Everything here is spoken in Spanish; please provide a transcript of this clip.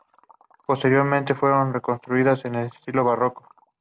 Posteriormente fue reconstruida en estilo barroco.